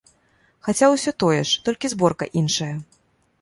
Хаця ўсё тое ж, толькі зборка іншая.